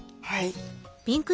はい。